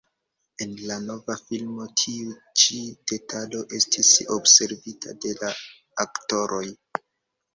En la nova filmo tiu ĉi detalo estis observita de la aktoroj.